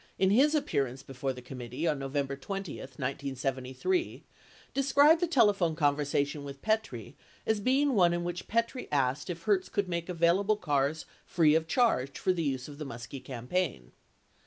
in his appearance before the committee on November 20, 1973, described the telephone conversation with Petrie as being one in which Petrie asked if Hertz could make available cars free of charge for the use of the Muskie campaign.